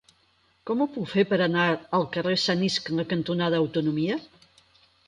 Com ho puc fer per anar al carrer Sant Iscle cantonada Autonomia?